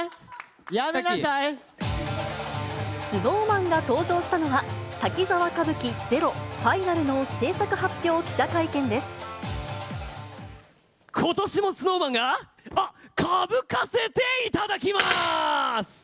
ＳｎｏｗＭａｎが登場したのは、滝沢歌舞伎ＺＥＲＯＦＩＮＡＬのことしもＳｎｏｗＭａｎが、あっ、かぶかせていただきます。